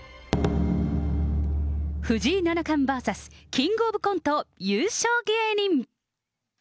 藤井七冠ＶＳキング・オブ・コント優勝芸人。